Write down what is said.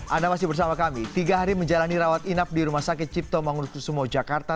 anda masih bersama kami tiga hari menjalani rawat inap di rumah sakit cipto mangunkusumo jakarta